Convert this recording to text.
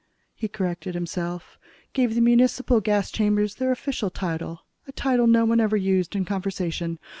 He corrected himself, gave the municipal gas chambers their official title, a title no one ever used in conversation.